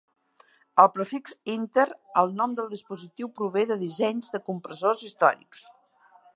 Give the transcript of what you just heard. El prefix "inter" al nom del dispositiu prové de dissenys de compressors històrics.